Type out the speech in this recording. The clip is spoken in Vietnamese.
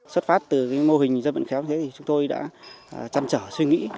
xuất phát từ mô hình dân vận khéo như thế thì chúng tôi đã chăm chở suy nghĩ